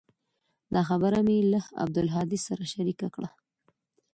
دا خبره مې له عبدالهادي سره شريکه کړه.